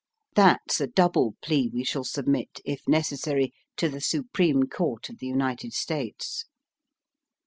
That's a double plea we shall submit, if necessary, to the Supreme Court of the United States."